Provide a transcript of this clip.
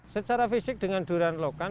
secara fisik dengan durian lokan